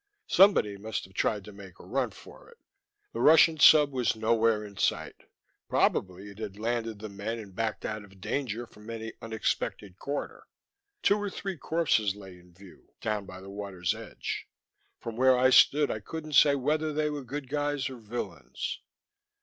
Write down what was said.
Somebody must have tried to make a run for it. The Russian sub was nowhere in sight; probably it had landed the men and backed out of danger from any unexpected quarter. Two or three corpses lay in view, down by the water's edge. From where I stood I couldn't say whether they were good guys or villains.